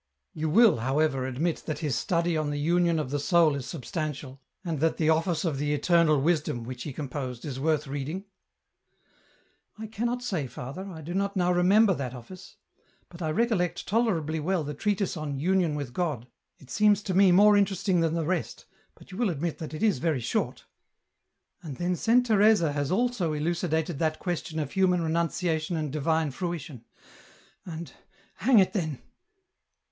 " You will, however, admit that his study on the Union of the Soul is substantial, and that the ' Office of the Eternal Wisdom ' which he composed is worth reading ?"" I cannot say, Fatheii^ I do not now remember that Office ; but I recollect tolerably well the treatise on ' Union with God,' it seems to me more interesting than the rest, but you will admit that it is very short ... and then Saint Teresa has also elucidated that question of human renunciation and divine fruition ; and, hang it then